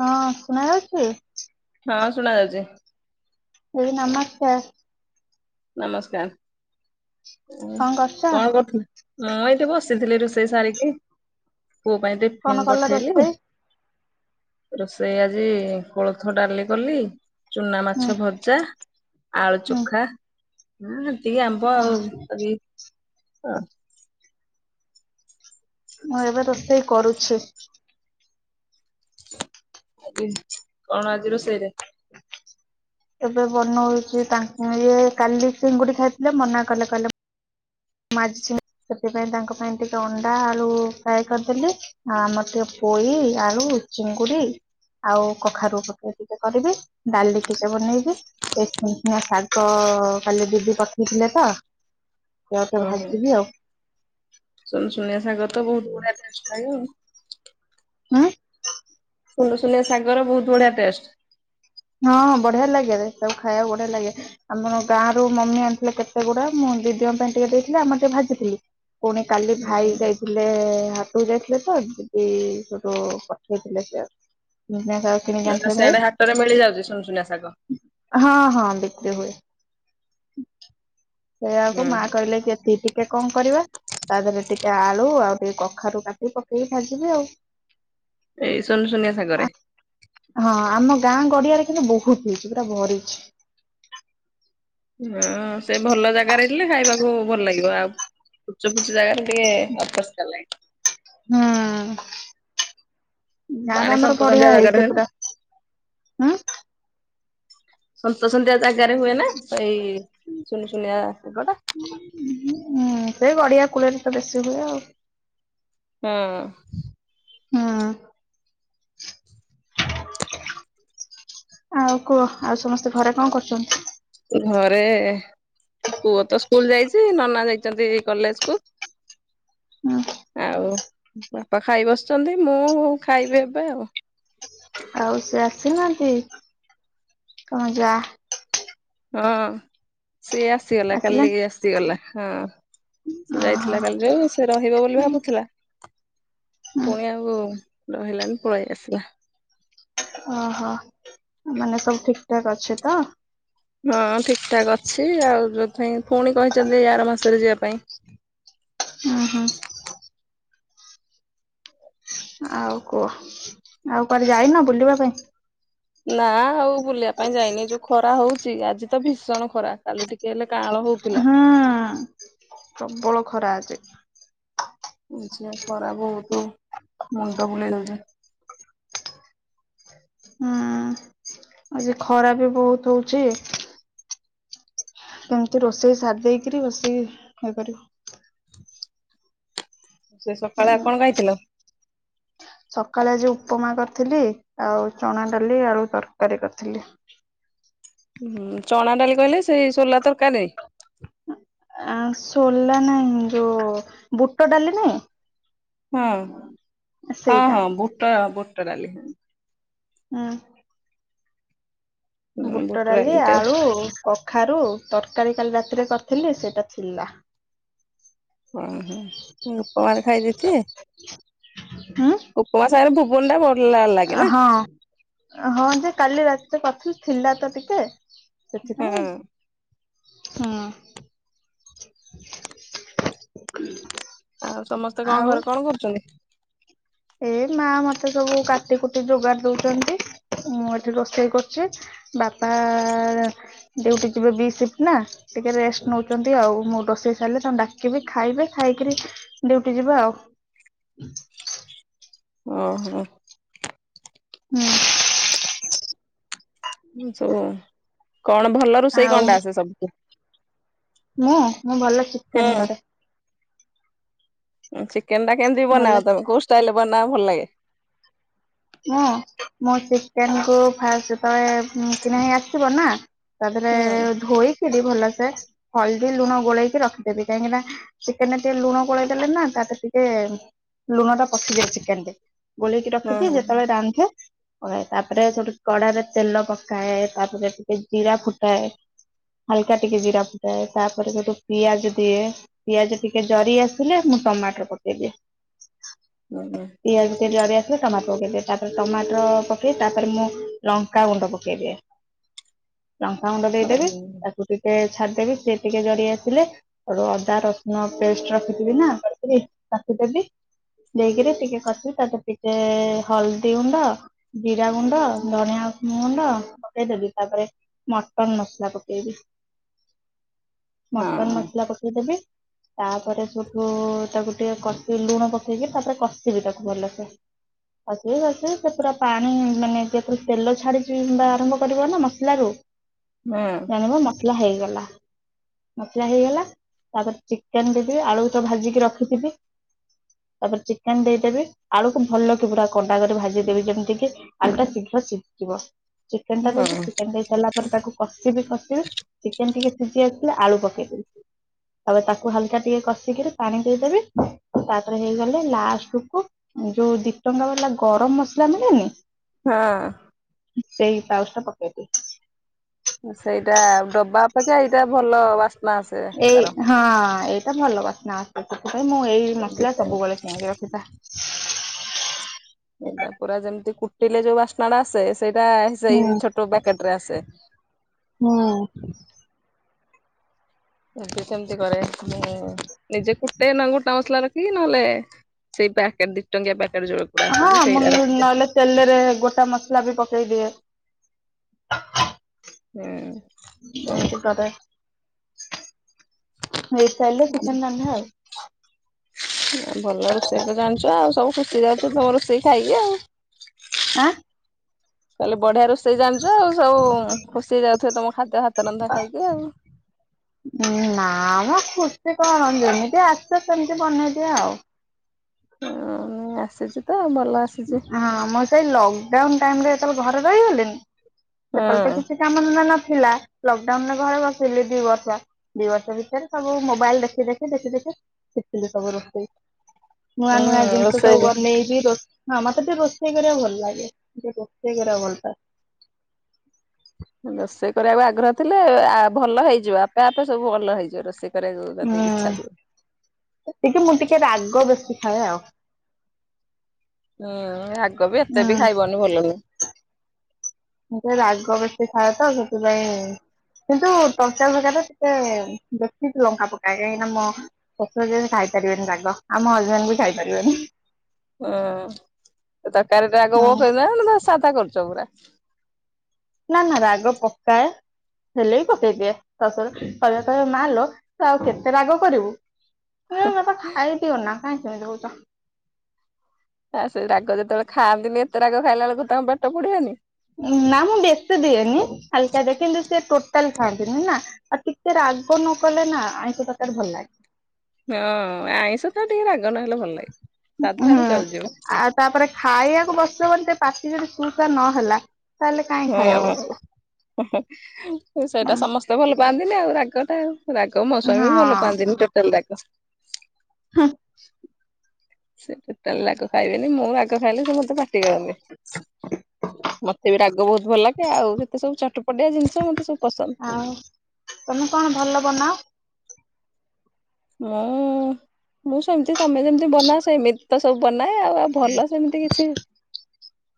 ହଁ ଶୁଣା ଯାଉଛି। ହଁ ଶୁଣା ଯାଉଛି। ଏ [unintelligible] ନମସ୍କାର। ନମସ୍କାର, କଣ କରୁଛ? କଣ କରୁଥିଲ? ମୁଁ ଏଇଠି ବସିଥିଲି ର ରୋଷେଇ ସାରିକି ପୁଅ ପାଇଁ ଟିଫିନ୍ କଣ କଲ ପଠେଇଲି। ରୋଷେଇ? ରୋଷେଇ ଆଜି କୋଳଥ ଡାଲି କଲି। ଚୁନା ହୁଁ ମାଛ ଭଜା, ଆଳୁ ହୁଁ ଚଖା ଟିକେ ଆମ୍ବ, ଅହ ଆଉ ହଁ ମୁଁ ଏବେ ରୋଷଇ କରୁଛି। ଆଜି, କଣ ଆଜି ରୋଷେଇରେ? ଏବେ ବନଉଚି ତାଙ୍କୁ [unintelligible] ଇଏ କାଲି ଚିଙ୍ଗୁଡି ଖାଇଥିଲେ ମନା କଲେ, କହିଲେ ମାଛ, ସେଥିପାଇଁ ତାଙ୍କ ପାଇଁ ଟିକେ ଅଣ୍ଡା ଆଳୁ ଫ୍ରାଏ କରିଦେଲି, ଆଉ ଆମର ଟିକେ ପୋଇ, ଆଳୁ, ଚିଙ୍ଗୁଡିି ଆଉ କଖାରୁ ପକେଇକି ଟିକେ କରିବି, ଡାଲି ଟିକେ ବନେଇବି, ଏଇ ସୁନୁସୁନିଆ ଶାଗ ହ କାଲି ଦିଦି ପଠେଇ ଥିଲେ ତ ସେଇଆକୁ ଟିକେ ଓ ହୋ, ଭାଜିବି ଆଉ। ସୁନୁସୁନିଆ ସାଗ ତ ବହୁତ ବଢିଆ ଇ [unintelligible] ଉଁ ସୁନୁସୁନିଆ ଶାଗର ବହୁତ ବଢିଆ ଟେଷ୍ଟ। ହଁଁ ବଢିଆ ଲାଗେ, ସବୁ ଖାଇବାକୁ ବଢିଆ ଲାଗେ, ଆମର ଗାଁ ର ମମି ଆଣିଥିଲେ କେତେ ଗୁଡା ମୁଁ ଦିଦିିଙ୍କ ପାଇଁ ଟିକେ ଦେଇଥିଲେ, ଆମେ ଟିକେ ଭାଜିଥିଲୁ, ପୁଣି କାଲି ଭାଇ ହୁଁ ଯାଇଥିଲେ ହାଟକୁ ଯାଇ ତ [unintelligible] ଦିଦି ସେଠୁ ପଠେଇଥିଲେ ସେ ଉ [unintelligible] କିଣିକି ଆଣିଥିଲେ ଭାଇ, ସେଆଡେ ହାଟରେ ମିଳିଯାଉଛି ସୁନସୁନିଆ ଶାଗ ହଁ ହଁ ବିକ୍ରି ହୁଏ। ହ [unintelligible] ସେଇଆକୁ ହୁଁ ମା ହୁଁ। କହିଲେ କି -ଏତି ଟିକେ କଣ କରିବା, ତା ଦେହରେ ଟିକେ ଆଳୁ ଆଉ ଟ [unintelligible] କଖାରୁ କାଟି ପକେଇକି ଭାଜିବେ ଆଉ ଏଇ ସୁନୁସୁନିଆ ଶାଗରେ ହଁ ଆମ ଗାଁ ଗଡିଆରେ କିନ୍ତୁ ବହୁତ ହେଇଛି, ପୁରା ଭରିଛି। ହଁ, ସେ ଭଲ ଜାଗାରେ ଥିଲେ, ଖାଇବାକୁ ଭଲ ଲାଗିବ ଆଉ ଫୁଚୁ ଫୁଚୁ ଜାଗାରେ ଟିକେ ଅପରିଷ୍କାର ଲାଗେ। ହୁଁ ନା ତ ପାଣି ଆମର ସନ୍ତ ସନ୍ତିଆ ବଢିଆ ଜାଗାରେ ହେଇଛ ହୁଏ ନା ପୁରା ହୁଁ [unintelligible] ସନ୍ତସନ୍ତିଆ ଜାଗାରେ ହୁଏ ନା ସେଇ ସୁନୁସୁନିଆ ଶାଗ ଟା। ହୁଁ ସେ ଗଡିଆ ତ ବେଶୀ ହୁଏ ଆଉ ହଁ ହଁ ଆଉ କୁହ ଆଉ ସମସ୍ତେ ଘରେ କଣ କରୁଛନ୍ତି? ଘରେ ପୁଅ ତ ସ୍କୁଲ ଯାଇଛି, ନନା ଯାଇଛନ୍ତି କଲେଜ କୁ ହୁଁ [inaudible] ଆଉ ବାପା ଖାଇ ବସିଛନ୍ତି, ମୁଁ ଖାଇବି ଏବେ ଆଉ ଆଉ ସେ ଆସିନାହାନ୍ତି, ତମ ଯା ହଁ ସିଏ ଆସିଗଲା, ଆସିଲା କାଲି ଆସିଗଲା ହଁ ସେ ଓହୋ ଯାଇଥିଲା କାଲି ଯୋଉ ସେ ରହିବ ବୋଲି ହୁଁ ଭାବୁଥିଲା ହୁଁ ପୁଣି ଆଉ ରହିଲାନି ପଳେଇ ଆସିଲା ଓହୋ ମାନେ ସବୁ ଠିକ ଠାକ୍ ଅଛି ତ। ହଁ ଠିକଠାକ୍ ଅଛି ଆଉ ତଥାପି ଫୁଣି କହିଛନ୍ତି ଏଇ ଆର ମାସରେ ଯିବା ପାଇଁ ହୁଁ ହୁଁ ଆଉ କୁହ ଆଉ କୁଆଡେ ଯାଇନ ବୁଲିବା ପାଇଁ? ନା ଆଉ ବୁଲିବା ପାଇଁ ଯାଇନି ଯୋଉ ଖରା ହୋଉଚି ଆଜି ତ ଭୀଷଣ ଖରା କାଲି ଟିକେ ହେଲେ କାଅଁଳ ହୋଉ ହଁ ପ୍ରବଳ ଖରା ଆଜି। ଆଜିପା ଖରା ବୋହୁତୁ ମୁଣ୍ଡ ବୁଲେଇ ଦୋଉଚି। ହୁଁ ଆଜି ଖରା ବି ବୋହୁତୁ ହଉଚି। କେମତି ରୋଷେଇ ସାରି ଦେଇକିରି ବସିକି ଖାଇ ପାରିବୁ। ସେ ସକାଳେ ଆଉ ହୁଁ କଣ ଖାଇଥିଲ? ସକାଳେ ଆଜି ଉପମା କରିଥିଲି ଆଉ ଚଣା ଡାଲି ଆଳୁ ତରକାରୀ କରିଥିଲି। ହଁ ଚଣା ଡାଲି କହିଲେ ସେଇ ସୋଲା ତରକାରୀ। ଆ ସୋଲା ନାଇଁ ଯୋଉ ବୁଟ ଡାଲି ନୁଏଁ। ହଁ, ହଁ, ହଁ ବୁଟ ବୁଟ ଡାଲି। ଉଁ। ବୁଟ ଡାଲି ଆଳୁ କଖାରୁ ତରକାରୀ କାଲି ରା ତିରେ କରିଥିଲି ସେଟା ଥିଲା। ହୁଁ ହୁଁ ଉପମାରେ ଖାଇଦେଇଥିବେ। [inaudible] ଉପମା ସାଙ୍ଗରେ ଘୁଗୁନିଟା ହଁ ହଁ ଯେ କାଲି ରାତିରେ କରିଥିଲି ଥିଲା ତ ଟିକେ। ସେଥିପାଇଁ ହଁ। ହଁ। ଆଉ ସମସ୍ତେ କଣ ଘରେ କଣ କରୁଚନ୍ତି? ଏ ମା ମତେ ସବୁ କାଟି କୁଟି ଯୋଗାଡ ଦୋଉଚନ୍ତି। ମୁଁ ଏଠି ରୋଷେଇ କରୁଚି ବାପା ଡିଉଟି ଯିବେ ବି ସିଫ୍ଟ ନା। ଟିକେ ରେଷ୍ଟ ନେଉଚନ୍ତି ଆଉ ମୁଁ ରୋଷେଇ ସାରିଲେ ତାଙ୍କୁ ଡାକିବି ଖାଇବେ ଖାଇକିରି ଡିଉଟି ଯିବେ ଆଉ। ଓ ହୋ। ହୁଁ। ସବୁ କଣ ଭଲ ରୋଷେଇ ଆଉ କଣଟା ଆସେ ସବୁଠୁ? ମୁଁ ମୁଁ ଭଲ ଚିକେନ ହୁଁ କରେ। ଚିକେନ ଟା କେମିତି ଭଲ ବନାଅ ତମେ କୋଉ ଷ୍ଟାଇଲରେ ବନାଅ ଭଲ ଲାଗେ। ହଁ ମୁଁ ଚିକେନକୁ ଫାଷ୍ଟ୍ ଯେତେବେଳେ କିଣା ହେଇ ଆସିଥିବ ନା। ତାପରେ ହୁଁ। ଧୋଇ ଦେବେ ଭଲସେ ହଳଦୀ ଲୁଣ ଗୋଳେଇକି ରଖିଦେବେ କାହିଁକିନା ଚିକେନରେ ଟିକେ ଲୁଣ ଗୋଳେଇ ଦେଲେନା ମାଂସ ରେ ଟିକେ ଲୁଣ ଟା ପଶିଯାଏ ଚିକେନରେ ଗୋଳେଇକି ହୁଁ ରଖିଦିଏ। ହୁଁ ହେ ପକାଏ ତାପରେ ଛୋଟ କଡାରେ ତେଲ ପକାଏ ତାପରେ ଟିକେ ଜିରା ଫୁଟାଏ। ହାଲକା ଟିକେ ଜିରା ଫୁଟାଏ ତାପରେ ଯୋଉଠୁ ପିଆଜ ଦିଏ ପିଆଜ ଟିକେ ଜରି ଆସିଲେ ଟମାଟର ପକେଇଦିଏ। ଉଁ ଉଁ ପିଆଜ ଟିକେ ଜାରି ଆସିଲେ ଟମାଟୋ ପକେଇଦିଏ। ତାପରେ ଟମାଟର ପକେଇ ତାପରେ ମୁଁ ଲଙ୍କା ଗୁଣ୍ଡ ପକେଇଦିଏ। ଲଙ୍କାଗୁଣ୍ଡ ହଁ ଦେଇଦେବି ହୁଁ ତାକୁ ଟିକେ ଛାଡିଦେବି ସେି ଟିକେ ଜରି ଆସିଲେ ହେଠୁ ଅଦା ରସୁଣ ପେଷ୍ଟ ରଖିଥିବି ନା କରିକିରି ତାକୁ ଦେବି ଦେଇକିରି ଟିକେ କସିବି ତାପରେ ଟିକେ ହଳଦୀ ଗୁଣ୍ଡ ଜିରା ଗୁଣ୍ଡ ଧଣିଆଁ ଗୁଣ୍ଡ ପକେଇଦବି ତାପରେ ମ ପପଙ୍ଗ ମସଲା ପକେଇବି। [inaudible] ମଟନ ମସଲା ପକେଇଦେବି। ତାପରେ ସୋଠୁ ତାକୁ ଟିକେ କସି ଲୁଣ ପକେଇକି ତାପରେ କଷିବି ତାକୁ ଭଲସେ। ଅସ ଅ ସେ ପୁରା ପାଣି ମାନେ ଯେତ ତେଲ ଛାଡିଛି ଆରମ୍ଭ କରିବ ନା ମସଲ ରେ ହୁଁ। ମସଲା ହେଇଗଲା। ମସଲା ହେଇଗଲା ତାପରେ ଚିକେନ ଦେଇଦେବି ଆଳୁକୁ ତ ଭାଜିକି ରଖିଥିବି ତାପରେ ଚିକେନ ଦେଇଦେବି ଆଳୁକୁ ଭଲ ପୁରା କଣ୍ଡା କରି ଭାଜିଦେବି ଯେମିତି କିି ଆଳୁଟା ଶୀଘ୍ର ସିଝିଯିବ। ଚିକେନ ଟା ଦେବି ହୁଁ। ଚିକେନ ଦେଇ ସାରିଲା ପରେ ତାକୁ କଷିବି କଷିବି ଚିକେନ ଟିକେ ଶିଝି ଆସିଲେ ଆଳୁ ପକେଇବି। ତାପରେ ତାକୁ ହାଲକା ଟିକେ କଷିକିରି ପାଣି ଦେଇଦେବେି ତାପରେ ହେଇଗଲେ ଲାଷ୍ଟକୁ ଯୋଉ ଦିଟଙ୍କା ବାଲା ଗରମ ମସଲା ମିଳେନି ହଁ। ସେଇ ପାଉଜଟା ପକେଇଦେବି। ସେଇଟା ଡବା ଅପେକ୍ଷା ଏଇଟା ଭଲ ବା ଏଇ ହଁ ଏଇ ସେଇଟା ଭଲ ବାସନା ଆସେ ସେଥିପାଇ ମୁଁ ଏଇ ମସଲା ସବୁବେଳେ କିଣିକି ରଖିଥାଏ। ଏଇଟା ପୁରା ଯେମିତି କୁଟିଲେ ଯୋଉ ବାସ୍ନାଟା ଆସେ ସେଇଟା ହୁଁ ସେଇ ଛୋଟ ପ୍ୟାକେଟରେ ଆସେ। [inaudible] ହୁଁ। ଏମତି ସେମିତି କରେ ନିଜେ କୁଟେ ନ ଗୁଟା ମସଲା ରଖିକି ନହେଲେ ସେଇ ପ୍ୟାକର ଦିଟଙ୍କିଆ ପ୍ୟାକେଟ। ଯୋଉ ଗୁଡା ଆସୁଛି ହଁ ମୁଁ ସେଇଟା ରଖିଦିଏ। ନହେଲେ ତେଲରେ ଗୋଟା ମସଲା ବି ପକେଇ ଦିଏ। [inaudible] ହୁଁ। ଏମତି କରେ। ଭ ଆାଇିଲ ଚିକେନ ରନ୍ଧା ଆଉ। ଭଲ ରୋଷେଇତ ଜାଣିଛ ଆଉ ସବୁ ଖୁସି ହେଇଯାଉଥିବା ତମ ରୋଷେଇ ଖାଇକି ଆଉ। ଆ କାଲି ବଢିଆ ରୋଷେଇ ଜାଣିଛୁ ଆଉ ସବୁ ଖୁସି ହେଇ ଯାଉଥିବେ ତମ ଖାଦ୍ୟ ହାତ ତ ରନ୍ଧା ଖାଇକି ଆଉ। ହ ଖୁସି କଣ ଯେମିତି ଆସେ ସେମତି ବନେଇଦିଅ ଆଉ। ସେଠି ତ ଆମ ହଁ ମୁଁ ସେଇ ଲକ୍ଡାଉନ ଟାଇମ ରେ ଯେତେବେଳେ ଘରେ ରହିଗଲିଣିି ହଁ ସେତଲେ ତ କିଛି କାମ ଧନ୍ଦା ନଥିଲା। ଥିଲା ଲକଡାଉନ ରେ ଘରେ ବସିଲି ଦି ବର୍ଷ ଦି ବର୍ଷ ଭିତରେ ସବୁ ମୋବାଇଲ ଦେଖି ଦେଖି ଦେଖି ଦେଖି ଶିଖିଚି ସବୁ ରୋଷେଇ ନୂଆ ହୁଁ ନୂଆ ଜିନିଷ ସବୁ ରୋଷେଇ ବନେଇକି ରଷ ହଁ ମାତ ତ ରୋଷେଇ କରିବା ଭଲ ଲାଗେ। ସେ ରୋଷେଇ କରିବାକୁ ଭଲ ପାଏ। ରୋଷେଇ କରିବାକୁ ଆଗ୍ରହ ଥିଲେ ଭଲ ହେଇଯିବ ଆପେ ଆପେ ସବୁ ଭଲ ହେଇଯିବ। ରୋଷେଇ କରିବାକୁ ଯଦି ହୁଁ ଇଚ୍ଛା ଥିବ। ଟିକେ ମୁଁ ଟିକେ ରାଗ ବେଶୀ ଖାଏ ଆଉ। ହୁଁ ରାଗ ବି ଏତେ ହୁଁ ବି ଖାଇବନି ଭଲ ନୁହଁ। ମୁଁ ରାଗ ବେଶୀ ଖାଇ ତ ସେଥିପାଇଁ କିନ୍ତୁ ତଞ୍ଚା ଭାଗା ଟ ଟତେ ବେଶୀ ଲଙ୍କା ପକାଏ। ଖାଇପାରିବେନି ରାଗ। ଆମ ହଜବେଣ୍ଡ କୁ ଖାଇପାରିବନି। ହଁ ତକାରଟ ଆଗ ହୁଁ କ- ନ ଥଟା କରୁଛ ପୁରା। ନା ନା ରାଗ ପକ୍କା ହେଲେ ବି ପକେଇଦିଏ ତା କହିବା କହିବା ମାଲ ତ ଆଉ କେତେ ରାଗ କରିବୁ। ମ ତ ଖାଇ ପିଉ ନା କାଇଁ ସେମିତି ହଉଚ। ଆଉ ସେ ରାଗ ଯେତେବେଳେ ଖାଆନ୍ତିନି ଏତେ ରାଗ ଖାଇଲା ବେଳକୁ ତାଙ୍କ ପେଟ ପୋଡିବନି? ନା ମୁଁ ବେଶୀ ତାେଲେ ଖାଆନ୍ତିନି ନା ଆଉ ଟିକେ ରାଗ ନ କଲେ ନା ଆଇଁଷି ତରକାର ଭଲ ଲାଗେନି। ହଁ ଆଇଁଷ ତ ଠିକ ଲେ ହୁଁ ଆଉ ତାପରେ ଖାଇବାକୁ ବସ ମେ ପାଟିରେ ଶୁ ସା ନହେଲା ତାହେଲେ କାହିଁ ହୁଁ ଖାଇବାକୁ ବସିବ ସେଇଟା ସମସ୍ତେ ଭଲ ପାଆନ୍ତିନି ଆଉ ରାଗଟା ଆଉ। ରାଗ ମୋ ହଁ ସ୍ୱାମୀ ବି ଭଲ ପାଆନ୍ତିନି ଟୋଟାଲ ରାଗ। ସେ ଟୋଟାଲ ଲାଗ ଖାଇବେନି ମୁଁ ଲଗ ଖାଇଲେ ସେ ମତେ ମତେ ବି ରାଗ ବହୁତ ଭଲ ଲାଗେ। ଆଉ ଯେତେ ସବୁଛଟ ପଡିଆ ଜିନିଷ ମତେ ସବୁ ପସନ୍ଦ ଆଉ ତମେ କଣ ଭଲ ବନାଅ? ମୁଁ ମୁଁ ସେମିତି ତମେ ଯେମିତି ବନା ସେମିତି ତ ସବୁ ବନାଏ ଆଉ। ଆଉ ଭଲ ସେମିତି କିଛି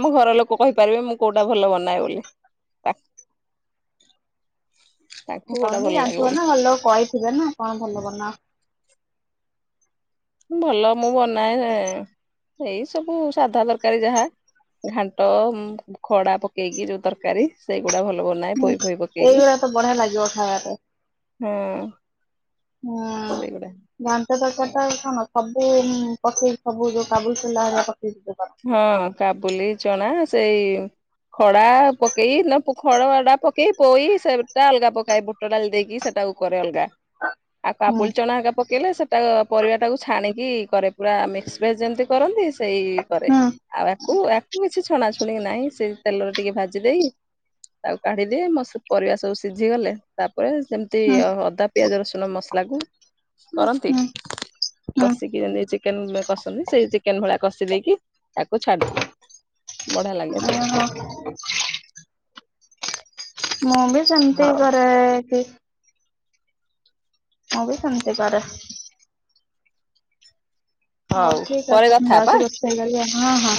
ଆମ ଘର ଲୋକ କହିପାରିବେ ମୁଁ କୋଉଟା ଭଲ ବନାଏ ବୋଲି ତାକୁ [unintelligible] କହିବି ଜାଣିଥିବ ନା ଭଲ କହିଥିବେ ନା କଣ ଭଲ ବାନାଅ। ଭଲ ମୁଁ ବନାଏ ଯେ ଏଇ ସବୁ ସାଧା ତରକାରୀ ଯାହା। ଘାଣ୍ଟ, ଖଡା ପକେଇକି ଯୋଉ ତରକାରୀ ସେଇଗୁଡା ଭଲ ବନାଏ ହୁଁ ପୋଇ ଫୋଇ ପକେଇକି ଏଇବେଡ଼ ତ ବଢ଼ିଆ ଲାଗିବ ଖାଇବାପାଇଁ। ହଁ ହୁଁ। ସେଇଗୁଡା ଘାଣ୍ଟ ତରକାରୀ ଶୁଣୁ ସବୁ ପଛେଇ ସବୁ ଯୋଉ କାବୁଲ ସୋଲା ହେରିକା ପକେଇ ହଁ କାବୁଲି ଚଣା ସେଇ ଖଡା ପକେଇ ନା ଖଡଡା ପକେଇ ପୋଇ ସେଟା ଅଲଗା ପକେଇବୁ। ବୁଟ ଡାଲି ଦେଇକି ସେଟାକୁ କରେ ଅଲଗା। ଆଉ ହୁଁ କାବୁଲ ଚଣା ପ ପକେଇଲେ ସେଇଟା ପରିବାଟାକୁ ଛାଣିକି କରେ ପୁରା ମିକ୍ସପ୍ରେସ୍ ଯେମିତି କରନ୍ତି ସେଇ। କରେ ହୁଁ ଆଉ ଆକୁ ଆକୁ କିଛି ଛଣା ଛୁଣି ନାହିଁ ସେଇ ତେଲରେ ଟିକେ ଭାଜି ଦେଇ। ତାକୁ କାଢିଦିଏ ମୋ ପରିବା ସବୁ ସିଝି ଗଲେ ତା ଉପରେ ସେମିତି ହୁଁ। ଅଦା, ପିଆଜ, ରସୁଣ ମସଲା କୁ କରନ୍ତି ହୁଁ ହୁଁ କଷିକି ଯେମତି ଚିକେନ କ ସେଇ ଚିକେନ ଭଳା କଷି ଦେଇେଇକି ତାକୁ ଛାଡିଦିଏ। ହ [unintelligible] ମୁଁ ବି ସେମିତି ହଉ। କରେ କି ମୁଁ ବି ସେମିତି କରେ। ହଉ ଠିକ୍ ପରେ ଅଛି। ମୁଁ କଥା ହବା। ଯାଉଚି ରୋଷେଇ କରିବି ହଁ ହଁ।